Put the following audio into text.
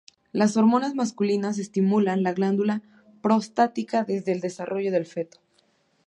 Las hormonas masculinas estimulan la glándula prostática desde el desarrollo del feto.